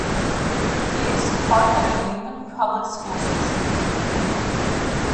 It is part of the Lincoln Public Schools district.